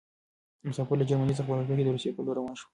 مسافر له جرمني څخه په الوتکه کې د روسيې په لور روان شو.